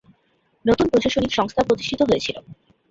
নতুন প্রশাসনিক সংস্থা প্রতিষ্ঠিত হয়েছিল।